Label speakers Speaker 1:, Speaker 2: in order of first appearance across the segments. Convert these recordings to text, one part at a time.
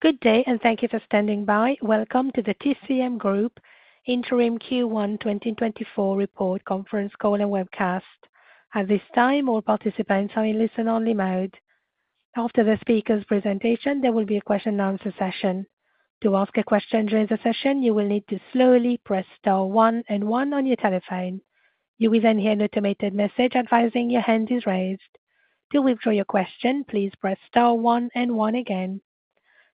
Speaker 1: Good day, and thank you for standing by. Welcome to the TCM Group Interim Q1 2024 Report Conference Call and Webcast. At this time, all participants are in listen-only mode. After the speaker's presentation, there will be a question-and-answer session. To ask a question during the session, you will need to slowly press star one and one on your telephone. You will then hear an automated message advising your hand is raised. To withdraw your question, please press star one and one again.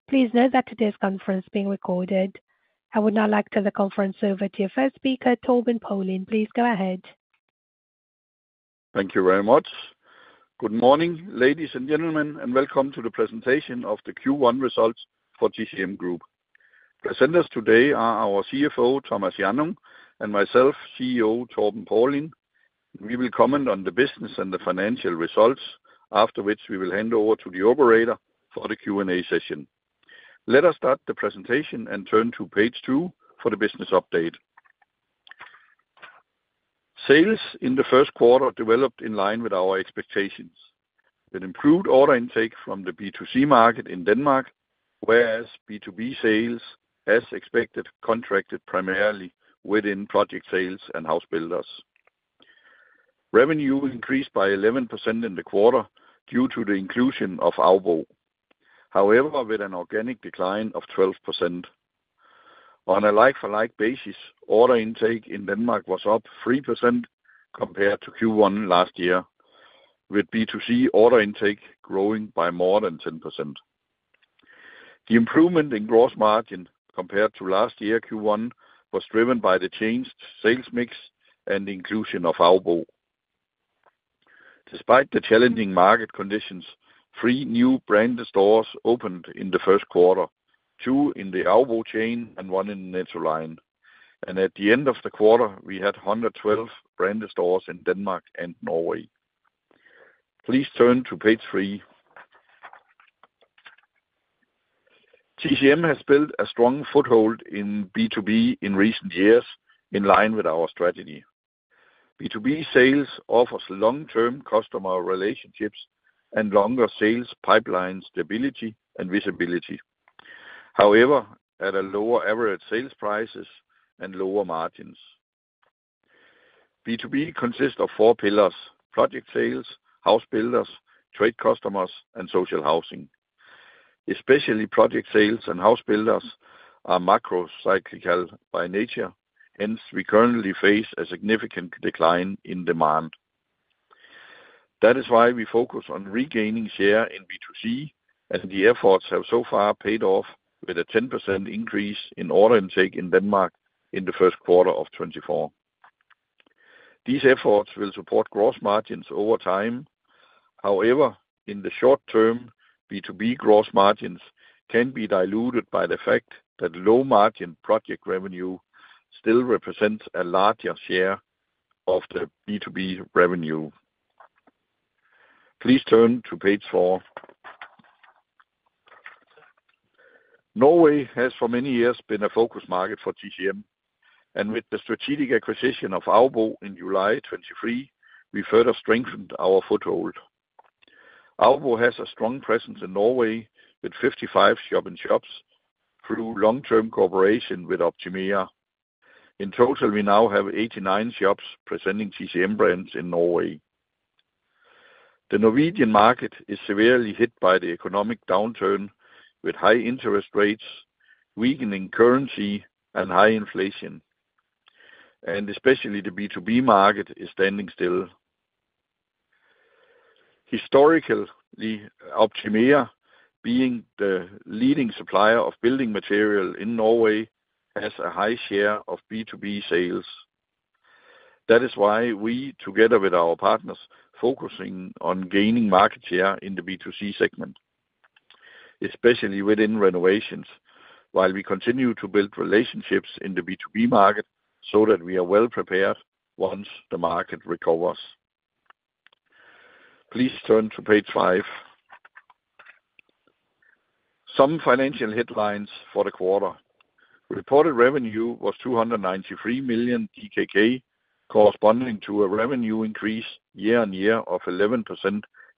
Speaker 1: Please note that today's conference is being recorded. I would now like to turn the conference over to your first speaker, Torben Paulin. Please go ahead.
Speaker 2: Thank you very much. Good morning, ladies and gentlemen, and welcome to the presentation of the Q1 results for TCM Group. Presenters today are our CFO, Thomas Hjannung, and myself, CEO Torben Paulin. We will comment on the business and the financial results, after which we will hand over to the operator for the Q&A session. Let us start the presentation and turn to Page two for the business update. Sales in the first quarter developed in line with our expectations, with improved order intake from the B2C market in Denmark, whereas B2B sales, as expected, contracted primarily within project sales and house builders. Revenue increased by 11% in the quarter due to the inclusion of AUBO, however, with an organic decline of 12%. On a like-for-like basis, order intake in Denmark was up 3% compared to Q1 last year, with B2C order intake growing by more than 10%. The improvement in gross margin compared to last year, Q1, was driven by the changed sales mix and inclusion of AUBO. Despite the challenging market conditions, three new branded stores opened in the first quarter, two in the AUBO chain and one in Nettoline, and at the end of the quarter, we had 112 branded stores in Denmark and Norway. Please turn to Page 3. TCM has built a strong foothold in B2B in recent years in line with our strategy. B2B sales offers long-term customer relationships and longer sales pipeline stability and visibility, however, at a lower average sales prices and lower margins. B2B consists of four pillars: project sales, house builders, trade customers, and social housing. Especially project sales and house builders are macro cyclical by nature, hence we currently face a significant decline in demand. That is why we focus on regaining share in B2C, and the efforts have so far paid off with a 10% increase in order intake in Denmark in the first quarter of 2024. These efforts will support gross margins over time. However, in the short term, B2B gross margins can be diluted by the fact that low-margin project revenue still represents a larger share of the B2B revenue. Please turn to Page 4. Norway has for many years been a focus market for TCM, and with the strategic acquisition of AUBO in July 2023, we further strengthened our foothold. AUBO has a strong presence in Norway, with 55 shop-in-shops through long-term cooperation with Optimera. In total, we now have 89 shops presenting TCM brands in Norway. The Norwegian market is severely hit by the economic downturn, with high interest rates, weakening currency, and high inflation, and especially the B2B market is standing still. Historically, Optimera, being the leading supplier of building material in Norway, has a high share of B2B sales. That is why we, together with our partners, focusing on gaining market share in the B2C segment, especially within renovations, while we continue to build relationships in the B2B market so that we are well prepared once the market recovers. Please turn to Page 5. Some financial headlines for the quarter. Reported revenue was 293 million DKK, corresponding to a revenue increase year-on-year of 11%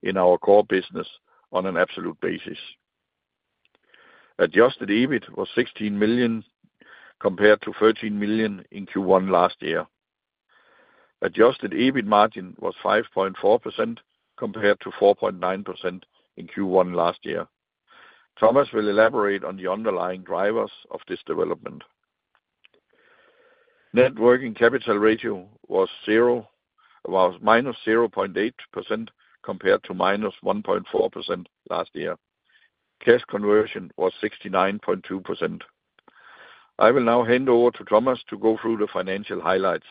Speaker 2: in our core business on an absolute basis. Adjusted EBIT was 16 million, compared to 13 million in Q1 last year. Adjusted EBIT margin was 5.4%, compared to 4.9% in Q1 last year. Thomas will elaborate on the underlying drivers of this development. Net working capital ratio was -0.8%, compared to -1.4% last year. Cash conversion was 69.2%. I will now hand over to Thomas to go through the financial highlights.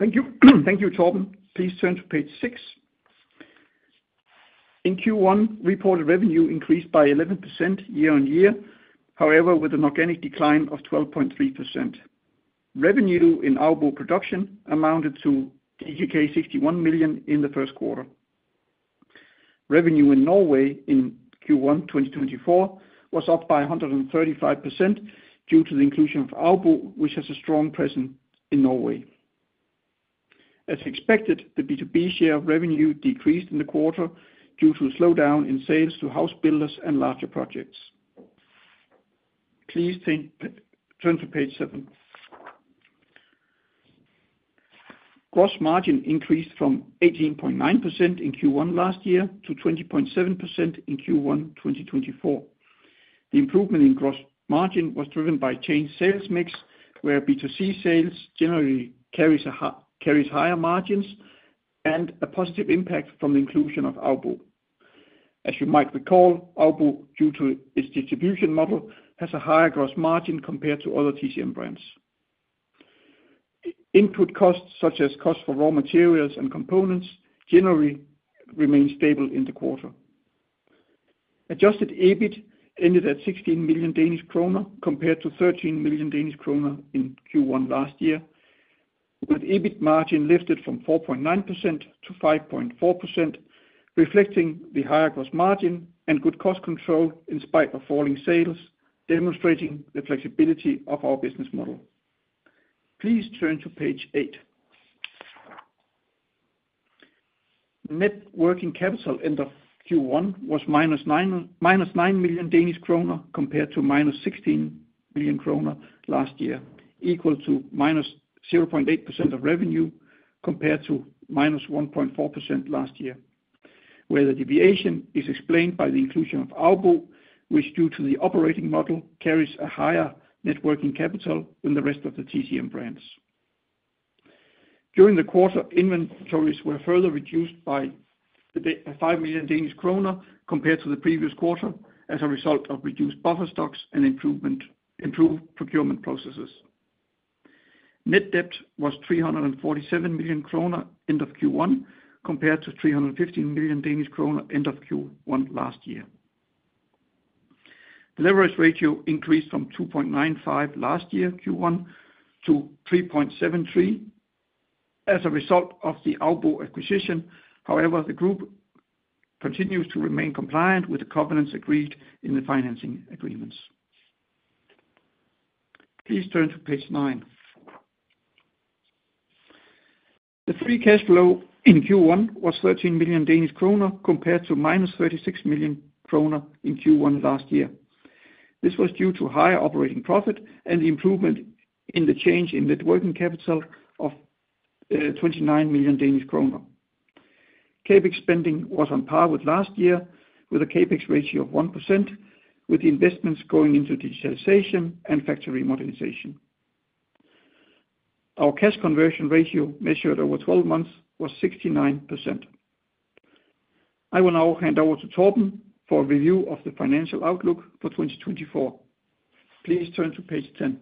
Speaker 3: Thank you. Thank you, Torben. Please turn to Page 6. In Q1, reported revenue increased by 11% year-over-year, however, with an organic decline of 12.3%. Revenue in AUBO Production amounted to 61 million in the first quarter. Revenue in Norway in Q1 2024 was up by 135% due to the inclusion of AUBO, which has a strong presence in Norway. As expected, the B2B share of revenue decreased in the quarter due to a slowdown in sales to house builders and larger projects. Please turn to Page 7. Gross margin increased from 18.9% in Q1 last year to 20.7% in Q1 2024. The improvement in gross margin was driven by changed sales mix, where B2C sales generally carries higher margins and a positive impact from the inclusion of AUBO. As you might recall, AUBO, due to its distribution model, has a higher gross margin compared to other TCM brands. Input costs, such as costs for raw materials and components, generally remained stable in the quarter. Adjusted EBIT ended at 16 million Danish kroner, compared to 13 million Danish kroner in Q1 last year, with EBIT margin lifted from 4.9% to 5.4%, reflecting the higher gross margin and good cost control in spite of falling sales, demonstrating the flexibility of our business model. Please turn to Page 8. Net working capital end of Q1 was -9 million Danish kroner, compared to -16 million kroner last year, equal to -0.8% of revenue, compared to -1.4% last year, where the deviation is explained by the inclusion of AUBO, which, due to the operating model, carries a higher net working capital than the rest of the TCM brands. During the quarter, inventories were further reduced by 5 million Danish kroner compared to the previous quarter, as a result of reduced buffer stocks and improvement, improved procurement processes. Net debt was 347 million kroner end of Q1, compared to 315 million Danish kroner end of Q1 last year. The leverage ratio increased from 2.95x last year, Q1, to 3.73x as a result of the AUBO acquisition. However, the group continues to remain compliant with the covenants agreed in the financing agreements. Please turn to Page 9. The free cash flow in Q1 was 13 million Danish kroner, compared to -36 million kroner in Q1 last year. This was due to higher operating profit and the improvement in the change in net working capital of 29 million Danish kroner. CapEx spending was on par with last year, with a CapEx ratio of 1%, with the investments going into digitalization and factory modernization. Our cash conversion ratio, measured over 12 months, was 69%. I will now hand over to Torben for a review of the financial outlook for 2024. Please turn to Page 10.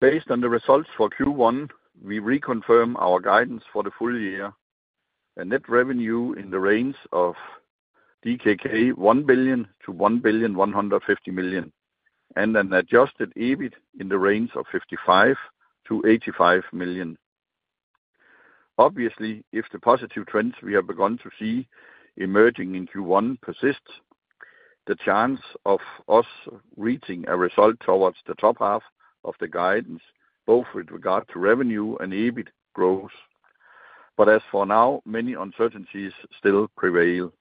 Speaker 2: Based on the results for Q1, we reconfirm our guidance for the full year, a net revenue in the range of 1 billion-1.15 billion DKK, and an adjusted EBIT in the range of 55 million-85 million. Obviously, if the positive trends we have begun to see emerging in Q1 persist, the chance of us reaching a result towards the top half of the guidance, both with regard to revenue and EBIT growth. But as for now, many uncertainties still prevail.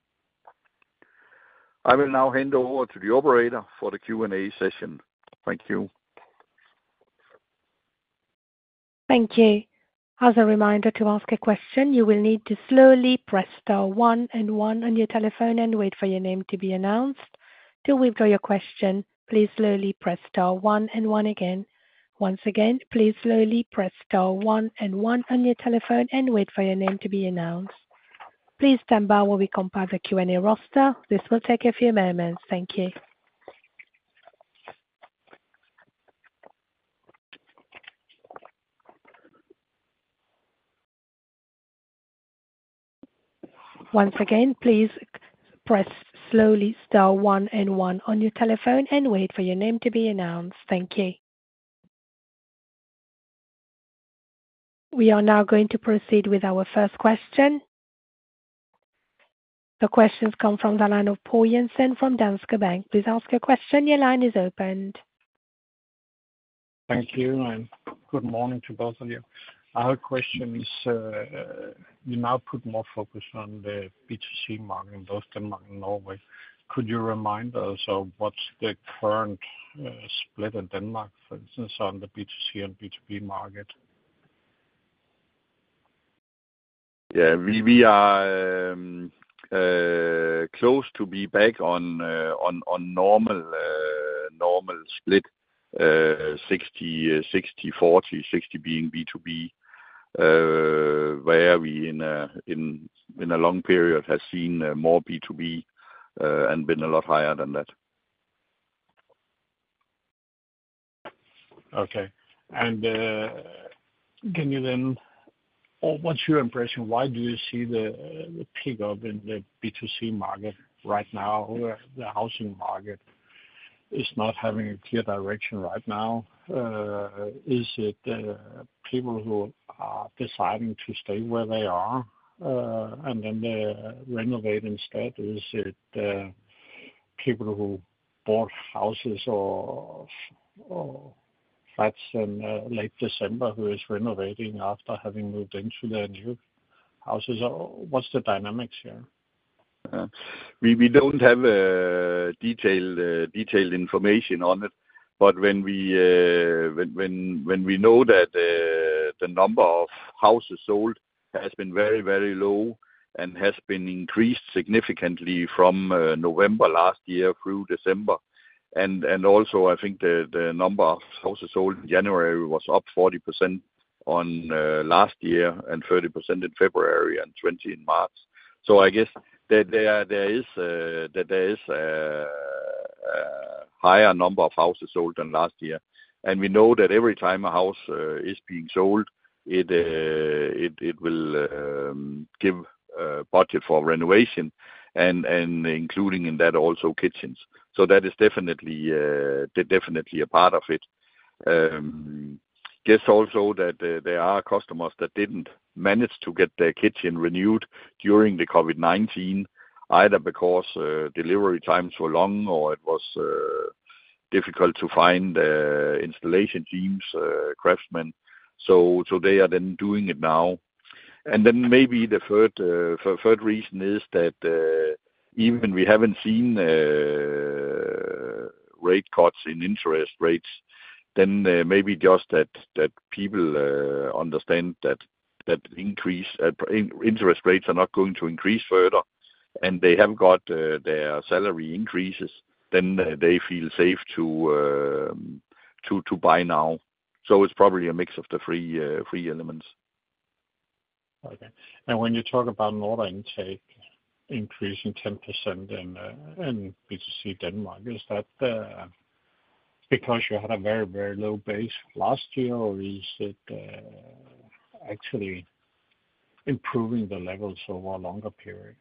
Speaker 2: I will now hand over to the operator for the Q&A session. Thank you.
Speaker 1: Thank you. As a reminder, to ask a question, you will need to slowly press star one and one on your telephone and wait for your name to be announced. To withdraw your question, please slowly press star one and one again. Once again, please slowly press star one and one on your telephone and wait for your name to be announced. Please stand by while we compile the Q&A roster. This will take a few moments. Thank you. Once again, please press slowly star one and one on your telephone and wait for your name to be announced. Thank you. We are now going to proceed with our first question. The question comes from the line of Poul Jensen from Danske Bank. Please ask your question. Your line is opened.
Speaker 4: Thank you, and good morning to both of you. Our question is, you now put more focus on the B2C market in both Denmark and Norway. Could you remind us of what's the current split in Denmark, for instance, on the B2C and B2B market?
Speaker 2: Yeah, we are close to be back on normal split, 60/40, 60 being B2B, where we in a long period have seen more B2B, and been a lot higher than that.
Speaker 4: Okay. And, can you then, or what's your impression? Why do you see the, the pickup in the B2C market right now, where the housing market is not having a clear direction right now? Is it people who are deciding to stay where they are, and then they renovate instead? Is it people who bought houses or, or flats in late December who is renovating after having moved into their new houses? Or what's the dynamics here?
Speaker 2: We don't have a detailed information on it, but when we know that the number of houses sold has been very low and has been increased significantly from November last year through December, and also I think the number of houses sold in January was up 40% on last year, and 30% in February, and 20% in March. So I guess there is that there is a higher number of houses sold than last year. And we know that every time a house is being sold, it will give budget for renovation and including in that, also kitchens. So that is definitely a part of it. Guess also that there are customers that didn't manage to get their kitchen renewed during the COVID-19, either because delivery times were long, or it was difficult to find installation teams, craftsmen, so they are then doing it now. And then maybe the third reason is that even we haven't seen rate cuts in interest rates, then maybe just that people understand that that increase in interest rates are not going to increase further, and they have got their salary increases, then they feel safe to buy now. So it's probably a mix of the three elements.
Speaker 4: Okay. And when you talk about order intake increasing 10% in, in B2C Denmark, is that, because you had a very, very low base last year, or is it, actually improving the levels over a longer period?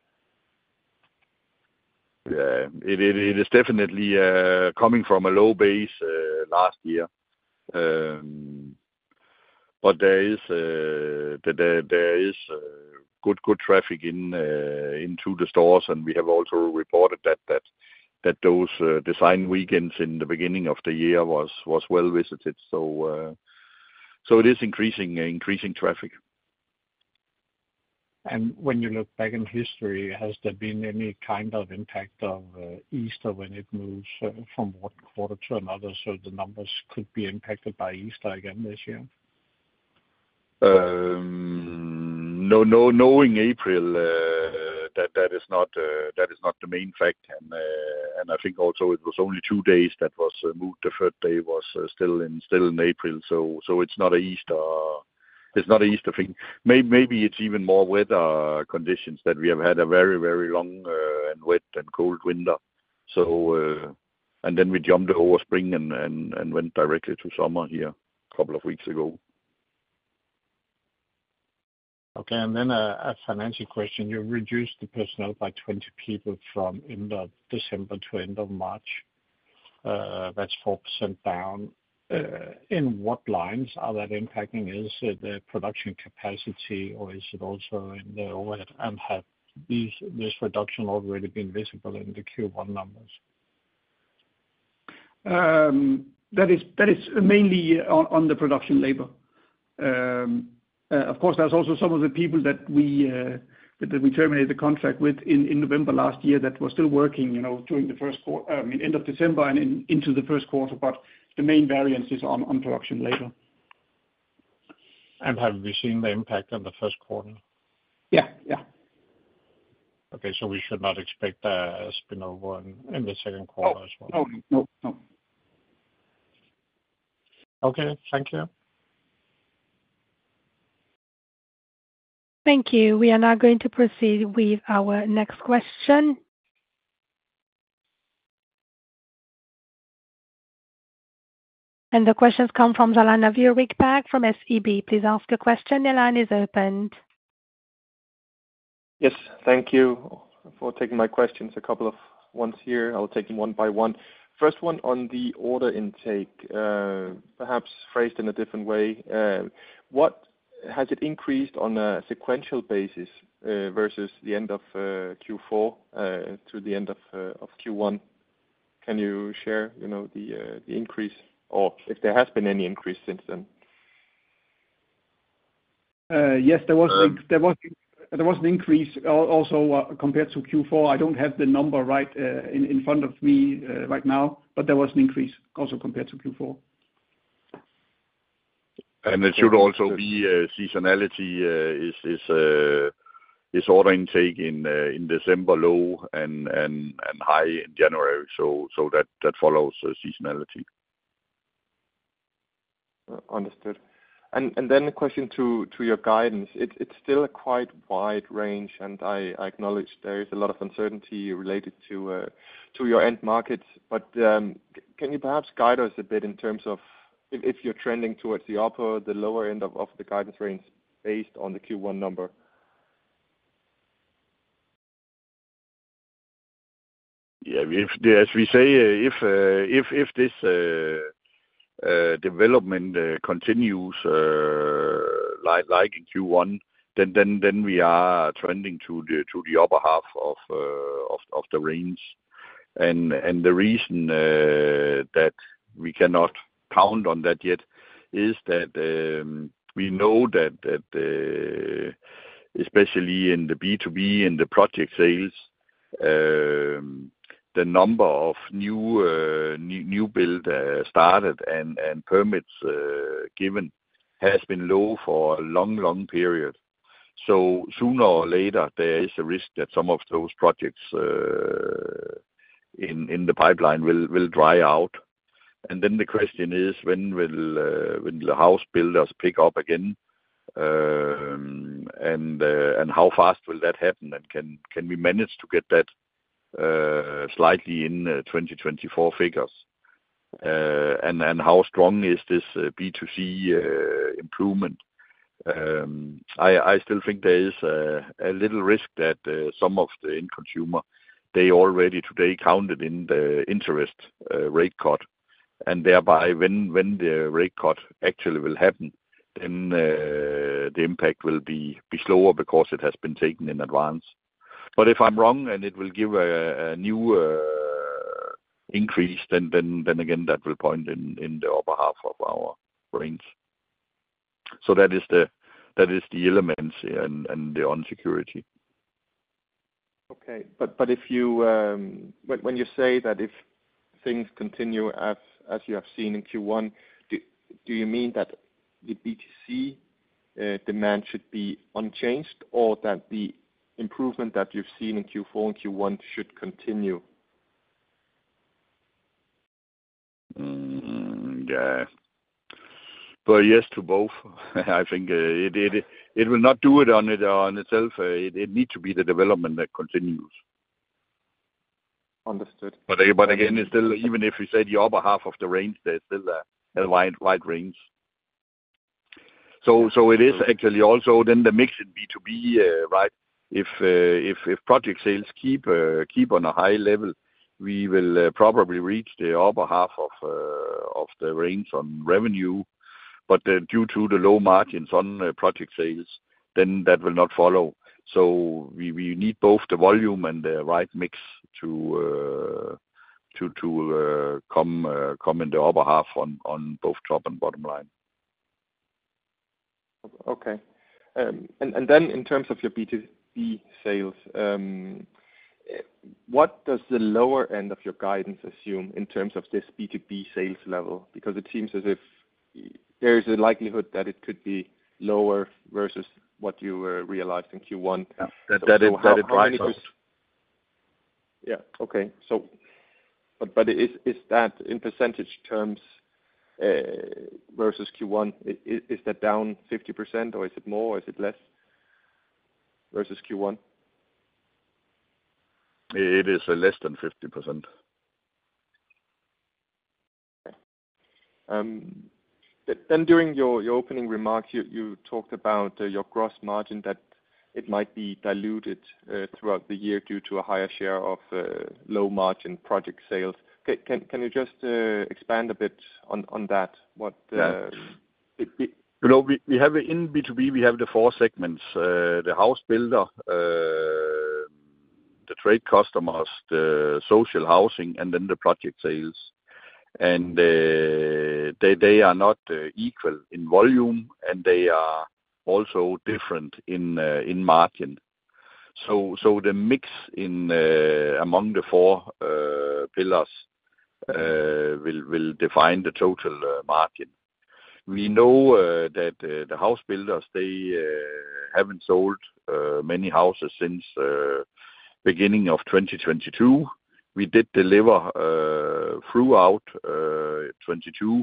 Speaker 2: Yeah, it is definitely coming from a low base last year. But there is good traffic into the stores, and we have also reported that those design weekends in the beginning of the year was well visited. So, it is increasing traffic.
Speaker 4: When you look back in history, has there been any kind of impact of Easter, when it moves from one quarter to another, so the numbers could be impacted by Easter again this year?
Speaker 2: No, no, in April, that is not the main factor. And I think also it was only two days that was moved. The third day was still in April, so it's not an Easter thing. Maybe it's even more weather conditions, that we have had a very, very long and wet and cold winter. So, and then we jumped over spring and went directly to summer here a couple of weeks ago.
Speaker 4: Okay. And then, a financial question: You reduced the personnel by 20 people from end of December to end of March. That's 4% down. In what lines are that impacting? Is it the production capacity, or is it also in the overhead? And have these, this reduction already been visible in the Q1 numbers?
Speaker 3: That is mainly on the production labor. Of course, there's also some of the people that we terminated the contract with in November last year that were still working, you know, during the end of December and into the first quarter, but the main variance is on production labor.
Speaker 4: Have we seen the impact on the first quarter?
Speaker 3: Yeah, yeah.
Speaker 4: Okay, so we should not expect a spillover in the second quarter as well?
Speaker 3: No. No, no.
Speaker 4: Okay. Thank you.
Speaker 1: Thank you. We are now going to proceed with our next question. The questions come from [Zalana Vurwigpack] from SEB. Please ask your question. The line is opened.
Speaker 5: Yes, thank you for taking my questions. A couple of ones here. I'll take them one by one. First one on the order intake, perhaps phrased in a different way. Has it increased on a sequential basis, versus the end of Q4, through the end of Q1? Can you share, you know, the, the increase, or if there has been any increase since then?
Speaker 3: Yes, there was.
Speaker 5: Um.
Speaker 3: There was an increase, also, compared to Q4. I don't have the number right in front of me right now, but there was an increase also compared to Q4.
Speaker 2: There should also be a seasonality. Is order intake in December low, and high in January? So that follows the seasonality.
Speaker 5: Understood. And then a question to your guidance. It's still a quite wide range, and I acknowledge there is a lot of uncertainty related to your end markets, but can you perhaps guide us a bit in terms of if you're trending towards the upper or the lower end of the guidance range based on the Q1 number?
Speaker 2: Yeah, if, as we say, if this development continues like in Q1, then we are trending to the upper half of the range. And the reason that we cannot count on that yet is that we know that especially in the B2B and the project sales the number of new build started and permits given has been low for a long, long period. So sooner or later, there is a risk that some of those projects in the pipeline will dry out. And then the question is: when will the house builders pick up again? And how fast will that happen, and can we manage to get that slightly in 2024 figures? And how strong is this B2C improvement? I still think there is a little risk that some of the end consumer, they already today counted in the interest rate cut, and thereby when the rate cut actually will happen, then the impact will be slower because it has been taken in advance. But if I'm wrong and it will give a new increase, then again, that will point in the upper half of our range. So that is the elements and the uncertainty.
Speaker 5: Okay. But if you, when you say that if things continue as you have seen in Q1, do you mean that the B2C demand should be unchanged, or that the improvement that you've seen in Q4 and Q1 should continue?
Speaker 2: Yeah. Well, yes, to both. I think, it will not do it on itself. It needs to be the development that continues.
Speaker 5: Understood.
Speaker 2: But again, it's still, even if you say the upper half of the range, there's still a wide, wide range. So it is actually also then the mix in B2B, right? If project sales keep on a high level, we will probably reach the upper half of the range on revenue. But then due to the low margins on project sales, then that will not follow. So we need both the volume and the right mix to come in the upper half on both top and bottom line.
Speaker 5: Okay. And then in terms of your B2B sales, what does the lower end of your guidance assume in terms of this B2B sales level? Because it seems as if there is a likelihood that it could be lower versus what you realized in Q1.
Speaker 2: Yeah.
Speaker 5: That it, that it.
Speaker 2: How it dries up.
Speaker 5: Yeah. Okay, so, but is that in percentage terms versus Q1? Is that down 50%, or is it more, or is it less versus Q1?
Speaker 2: It is, less than 50%.
Speaker 5: Then during your opening remarks, you talked about your gross margin, that it might be diluted throughout the year due to a higher share of low-margin project sales. Can you just expand a bit on that? What?
Speaker 2: Yeah. You know, we have in B2B, we have the four segments: the house builder, the trade customers, the social housing, and then the project sales. And they are not equal in volume, and they are also different in margin. So the mix among the four pillars will define the total margin. We know that the house builders haven't sold many houses since beginning of 2022. We did deliver throughout 2022,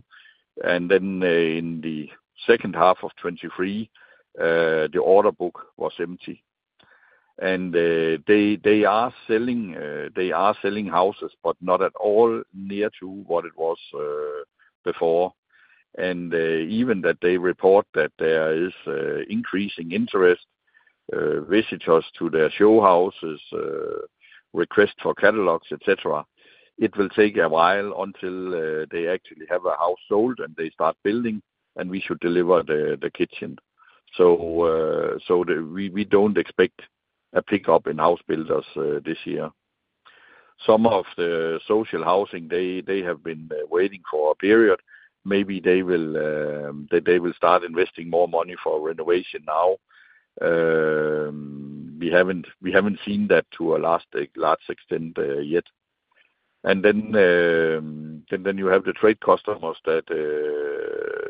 Speaker 2: and then in the second half of 2023, the order book was empty. And they are selling houses, but not at all near to what it was before. Even that they report that there is increasing interest, visitors to their show houses, request for catalogs, et cetera, it will take a while until they actually have a house sold, and they start building, and we should deliver the, the kitchen. So, we don't expect a pickup in house builders this year. Some of the social housing, they, they have been waiting for a period. Maybe they will, they, they will start investing more money for renovation now. We haven't, we haven't seen that to a last large extent yet. And then, and then you have the trade customers that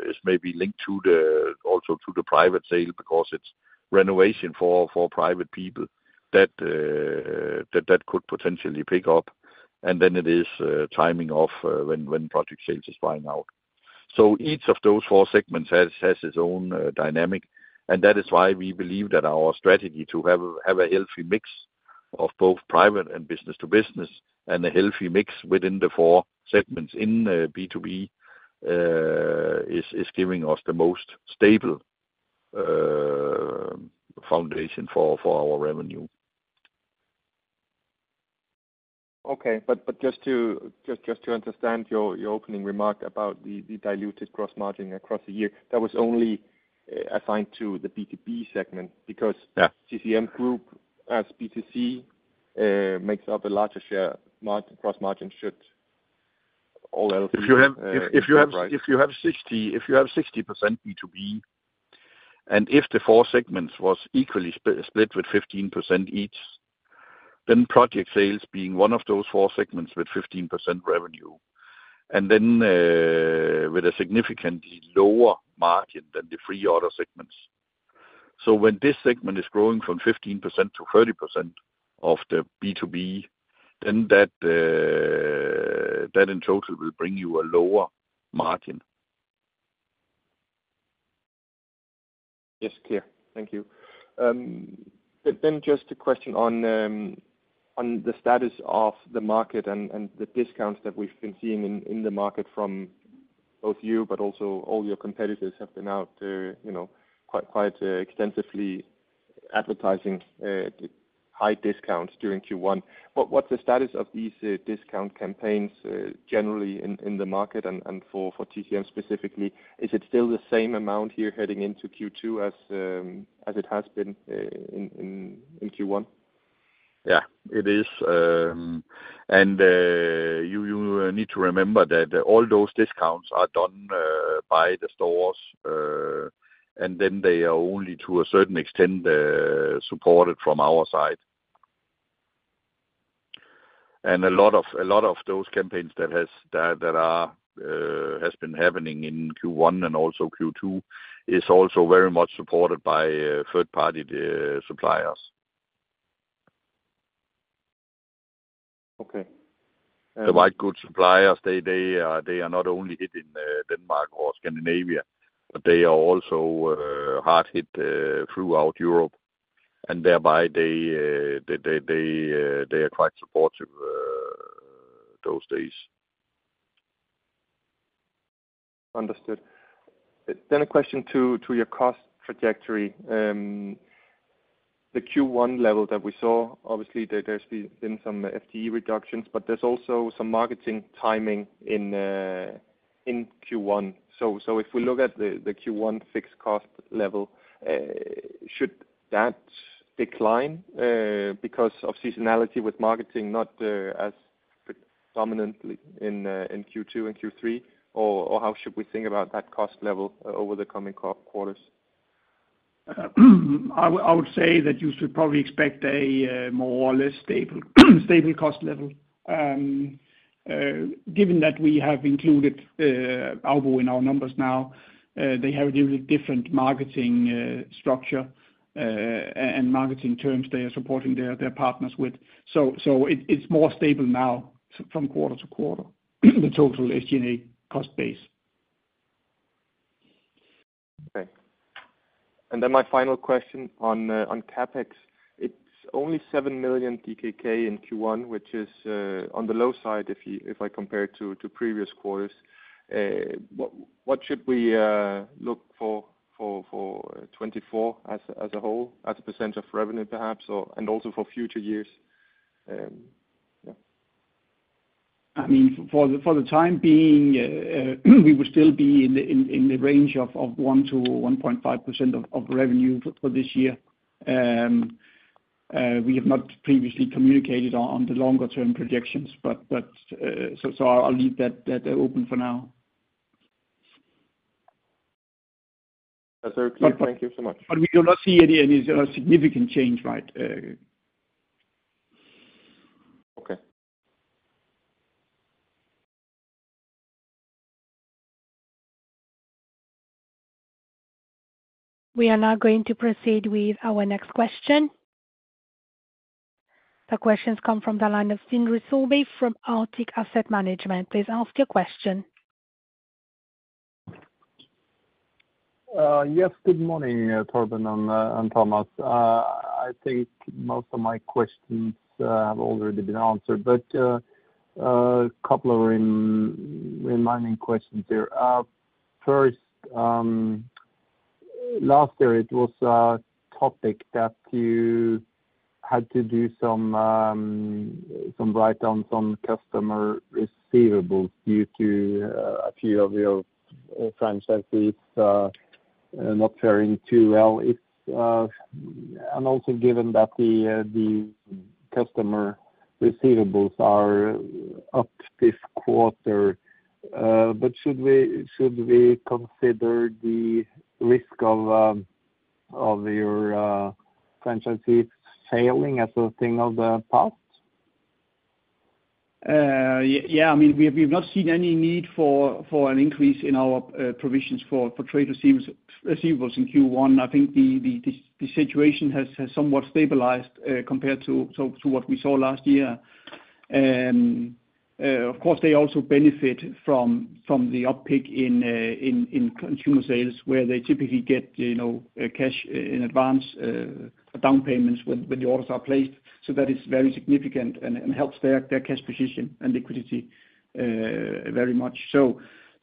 Speaker 2: is maybe linked to the, also to the private sale, because it's renovation for private people that that could potentially pick up, and then it is timing of when project sales is buying out. So each of those four segments has its own dynamic, and that is why we believe that our strategy to have a healthy mix of both private and business to business, and a healthy mix within the four segments in B2B is giving us the most stable foundation for our revenue.
Speaker 5: Okay, but just to understand your opening remark about the diluted gross margin across the year, that was only assigned to the B2B segment? Because.
Speaker 2: Yeah.
Speaker 5: TCM Group as B2C makes up a larger share. Gross margin should all else be right.
Speaker 2: If you have 60% B2B, and if the four segments was equally split with 15% each, then project sales being one of those four segments with 15% revenue, and then with a significantly lower margin than the three other segments. So when this segment is growing from 15% to 30% of the B2B, then that in total will bring you a lower margin.
Speaker 5: Yes, clear. Thank you. But then just a question on the status of the market and the discounts that we've been seeing in the market from both you, but also all your competitors have been out, you know, quite extensively advertising the high discounts during Q1. What's the status of these discount campaigns generally in the market and for TCM specifically? Is it still the same amount you're heading into Q2 as it has been in Q1?
Speaker 2: Yeah, it is. And you need to remember that all those discounts are done by the stores, and then they are only to a certain extent supported from our side. And a lot of those campaigns that has been happening in Q1 and also Q2 is also very much supported by third-party suppliers.
Speaker 5: Okay, um.
Speaker 2: The white goods suppliers, they are not only hit in Denmark or Scandinavia, but they are also hard hit throughout Europe, and thereby they are quite supportive those days.
Speaker 5: Understood. Then a question to your cost trajectory. The Q1 level that we saw, obviously, there's been some FTE reductions, but there's also some marketing timing in Q1. So if we look at the Q1 fixed cost level, should that decline because of seasonality with marketing, not as prominently in Q2 and Q3? Or how should we think about that cost level over the coming quarters?
Speaker 3: I would say that you should probably expect a more or less stable cost level. Given that we have included AUBO in our numbers now, they have a really different marketing structure and marketing terms they are supporting their partners with. It's more stable now from quarter to quarter, the total SG&A cost base.
Speaker 5: Okay. And then my final question on CapEx, it's only 7 million DKK in Q1, which is on the low side if I compare it to previous quarters. What should we look for for 2024 as a whole, as a percent of revenue, perhaps, or and also for future years? Yeah.
Speaker 3: I mean, for the time being, we will still be in the range of 1%-1.5% of revenue for this year. We have not previously communicated on the longer-term projections, but so I'll leave that open for now.
Speaker 5: That's very clear.
Speaker 3: But.
Speaker 5: Thank you so much.
Speaker 3: But we do not see any significant change, right.
Speaker 5: Okay.
Speaker 1: We are now going to proceed with our next question. The question comes from the line of Sindre Sørbye from Arctic Asset Management. Please ask your question.
Speaker 6: Yes, good morning, Torben and Thomas. I think most of my questions have already been answered, but a couple of remaining questions here. First, last year it was a topic that you had to do some write-downs on customer receivables due to a few of your franchises not faring too well. It's, and also given that the customer receivables are up this quarter, but should we consider the risk of your franchises failing as a thing of the past?
Speaker 3: Yeah, I mean, we've not seen any need for an increase in our provisions for trade receivables in Q1. I think the situation has somewhat stabilized compared to what we saw last year. Of course, they also benefit from the uptick in consumer sales, where they typically get, you know, cash in advance, down payments when the orders are placed. So that is very significant and helps their cash position and liquidity very much so.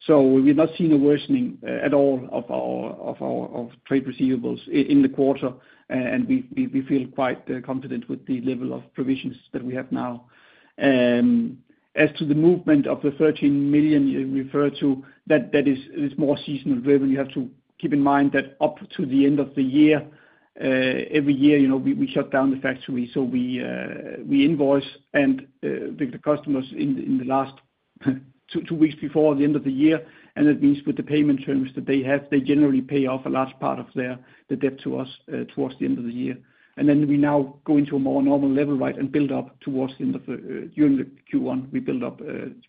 Speaker 3: So we've not seen a worsening at all of our trade receivables in the quarter, and we feel quite confident with the level of provisions that we have now. As to the movement of the 13 million you refer to, that is more seasonal revenue. You have to keep in mind that up to the end of the year, every year, you know, we shut down the factory. So we invoice and with the customers in the last two weeks before the end of the year. And that means with the payment terms that they have, they generally pay off a large part of the debt to us towards the end of the year. And then we now go into a more normal level, right? Build up towards the end of, during the Q1, we build up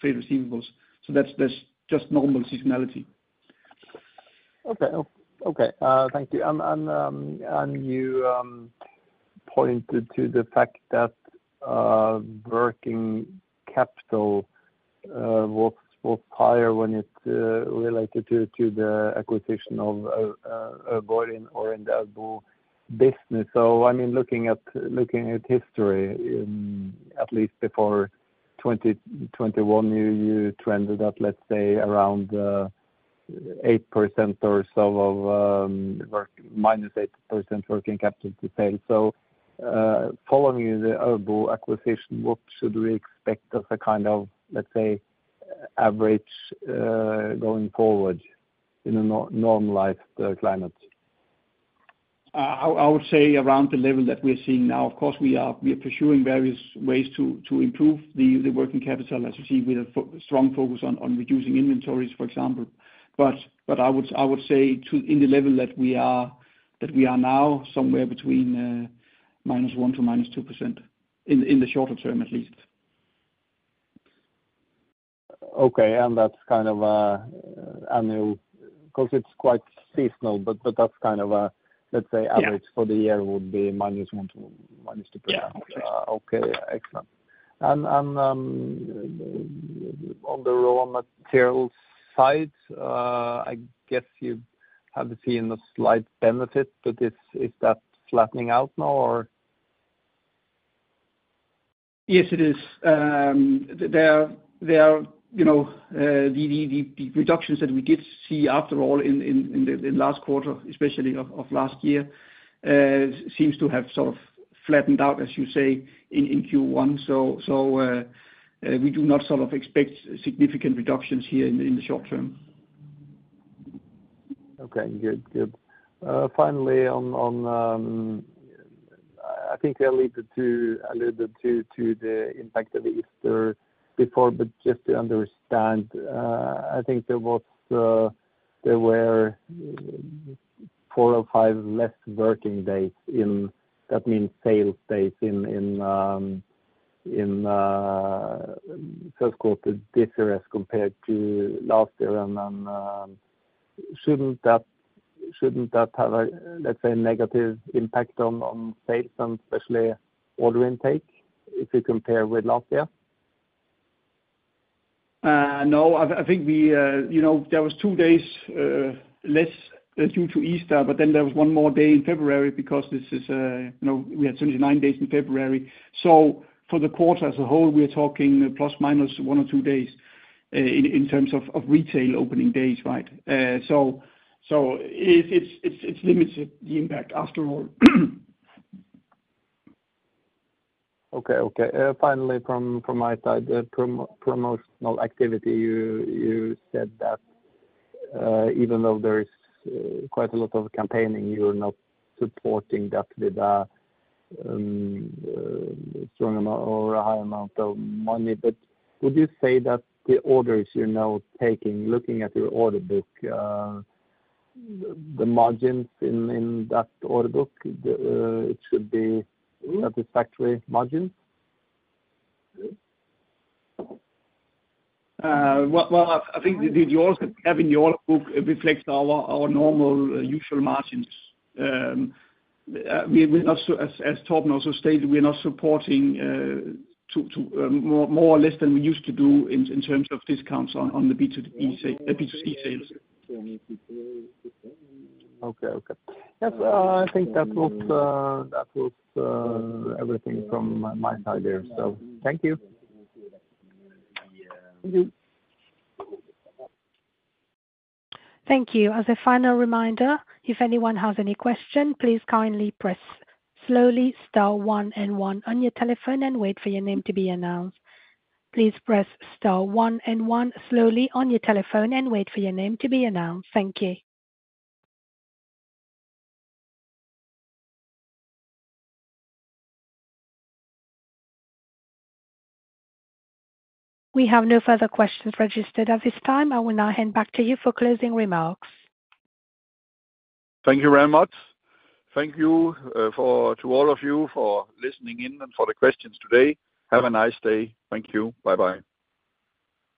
Speaker 3: trade receivables. So that's just normal seasonality.
Speaker 6: Okay. Okay, thank you. And, and, and you pointed to the fact that working capital was higher when it related to the acquisition of buying or in the AUBO business. So I mean, looking at history, at least before 2021, you trended up, let's say, around 8% or so of working capital to sales. So, following the AUBO acquisition, what should we expect as a kind of, let's say, average going forward in a normalized climate?
Speaker 3: I would say around the level that we're seeing now. Of course, we are pursuing various ways to improve the working capital, as you see, with a strong focus on reducing inventories, for example. But I would say in the level that we are now somewhere between -1% to -2%, in the shorter term, at least.
Speaker 6: Okay, and that's kind of annual, 'cause it's quite seasonal, but that's kind of a, let's say.
Speaker 3: Yeah.
Speaker 6: Average for the year would be -1% to -2%.
Speaker 3: Yeah.
Speaker 6: Okay, excellent. On the raw materials side, I guess you have been seeing a slight benefit, but is that flattening out now, or?
Speaker 3: Yes, it is. There are, you know, the reductions that we did see after all in the last quarter, especially of last year, seems to have sort of flattened out, as you say, in Q1. So, we do not sort of expect significant reductions here in the short term.
Speaker 6: Okay. Good. Good. Finally, on, on, I think I alluded to, alluded to, to the impact of the Easter before, but just to understand, I think there was, there were four or five less working days in. That means sales days in, in, in, first quarter this year as compared to last year. And then, shouldn't that, shouldn't that have a, let's say, negative impact on, on sales and especially order intake, if you compare with last year?
Speaker 3: No, I think we, you know, there was two days less due to Easter, but then there was one more day in February because this is, you know, we had 29 days in February. So for the quarter as a whole, we're talking plus, minus one or two days in terms of retail opening days, right? So it's limited the impact after all.
Speaker 6: Okay, okay. Finally, from my side, the promotional activity, you said that even though there is quite a lot of campaigning, you're not supporting that with a strong amount or a high amount of money. But would you say that the orders you're now taking, looking at your order book, the margins in that order book, it should be satisfactory margins?
Speaker 3: Well, I think the orders having the order book reflects our normal usual margins. As Torben also stated, we're not so, we're not supporting more or less than we used to do in terms of discounts on the B2B sale, B2C sales.
Speaker 6: Okay, okay. Yes, I think that was everything from my side here. So thank you.
Speaker 3: Mm-hmm.
Speaker 1: Thank you. As a final reminder, if anyone has any question, please kindly press slowly star one and one on your telephone and wait for your name to be announced. Please press star one and one slowly on your telephone and wait for your name to be announced. Thank you. We have no further questions registered at this time. I will now hand back to you for closing remarks.
Speaker 2: Thank you very much. Thank you, to all of you for listening in and for the questions today. Have a nice day. Thank you. Bye-bye.